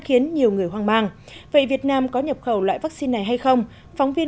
khiến nhiều người hoang mang vậy việt nam có nhập khẩu loại vaccine này hay không phóng viên